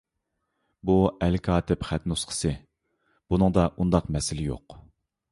بۇ ئەلكاتىپ خەت نۇسخىسى، بۇنىڭدا ئۇنداق مەسىلە يوق.